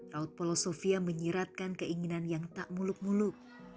laut polo sofia menyiratkan keinginan yang tak muluk muluk